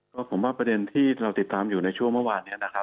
ก็ผมว่าประเด็นที่เราติดตามอยู่ในช่วงเมื่อวานนี้นะครับ